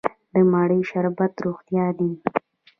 د مڼې شربت روغتیایی دی.